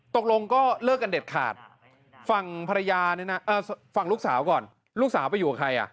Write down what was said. ตกลงก็เลิกกันเด็ดขาดฝั่งลูกสาวก่อนลูกสาวไปอยู่กับใครอ่ะ